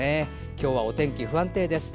今日はお天気不安定です。